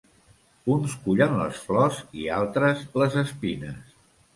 Uns cullen les flors i altres les espines.